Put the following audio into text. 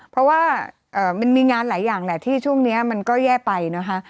เพราะว่ามันมีงานหลายอย่างแหละที่ช่วงนี้มันก็แย่ไปนะคะ